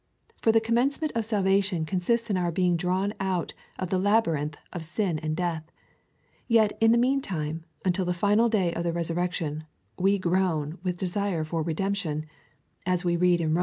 For the commencement of salvation consists in our being drawn out of the labyrinth of sin and death ; yet in the mean time, until the final day of the resurrection, ^ve groan with desire for redemption, (as we read in Rom.